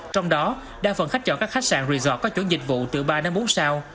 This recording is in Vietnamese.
trong đó đa phần khách chọn các khách sạn resort có chỗ dịch vụ từ ba bốn sao